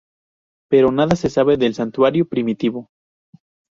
Pero nada se sabe del santuario primitivo.